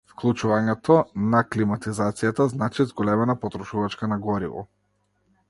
Вклучувањето на климатизацијата значи зголемена потрошувачка на гориво.